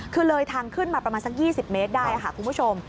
คือเลยทางขึ้นมาประมาณสัก๒๐เมตรได้ค่ะคุณผู้ชม